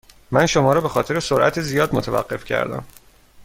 من شما را به خاطر سرعت زیاد متوقف کردم.